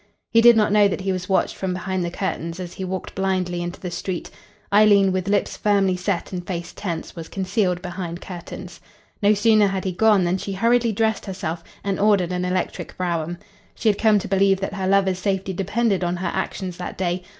He did not know that he was watched from behind the curtains as he walked blindly into the street. Eileen, with lips firmly set and face tense, was concealed behind curtains. No sooner had he gone than she hurriedly dressed herself and ordered an electric brougham. She had come to believe that her lover's safety depended on her actions that day.